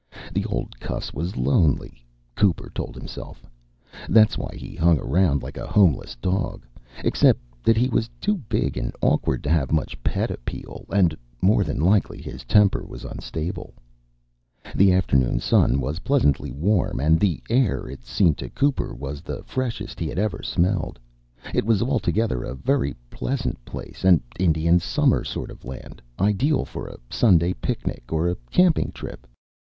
The old cuss was lonely, Cooper told himself. That was why he hung around like a homeless dog except that he was too big and awkward to have much pet appeal and, more than likely, his temper was unstable. The afternoon sun was pleasantly warm and the air, it seemed to Cooper, was the freshest he had ever smelled. It was, altogether, a very pleasant place, an Indian summer sort of land, ideal for a Sunday picnic or a camping trip.